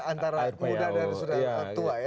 antara muda dan sudah tua ya